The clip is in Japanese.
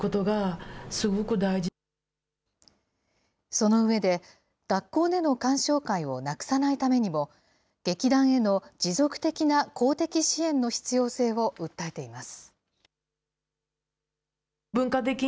その上で、学校での鑑賞会をなくさないためにも、劇団への持続的な公的支援の必要性を訴えています。